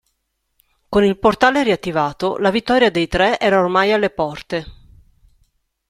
Con il Portale riattivato, la vittoria dei Tre era ormai alle porte.